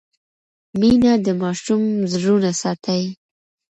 مینه د ماشوم زړونه ساتي.